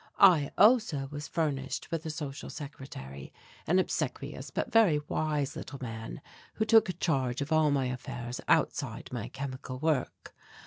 I, also, was furnished with a social secretary, an obsequious but very wise little man, who took charge of all my affairs outside my chemical work.